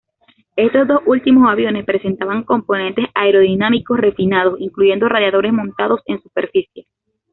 Estos dos últimos aviones presentaban componentes aerodinámicos refinados, incluyendo radiadores montados en superficie.